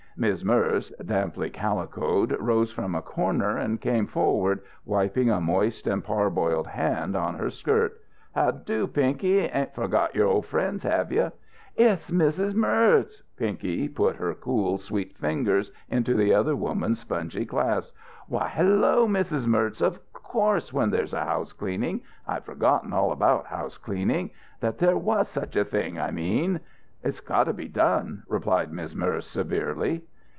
Miz' Merz damply calicoed, rose from a corner and came forward, wiping a moist and parboiled hand on her skirt. "Ha' do, Pinky? Ain't forgot your old friends, have you?" "It's Mrs. Merz!" Pinky put her cool, sweet fingers into the other woman's spongy clasp. "Why, hello, Mrs. Merz! Of course when there's house cleaning I'd forgotten all about house cleaning that there was such a thing, I mean." "It's got to be done," replied Miz' Merz severely.